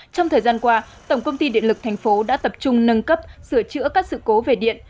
trong thời gian qua tổng công ty điện lực thành phố đã tập trung nâng cấp sửa chữa các sự cố về điện